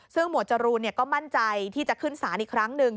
ซึ่งหมวดจรูนก็มั่นใจที่จะขึ้นศาลอีกครั้งหนึ่ง